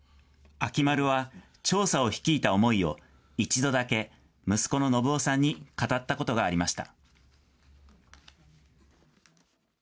秋丸は、調査を率いた思いを一度だけ、息子の信夫さんに語ったことがありました。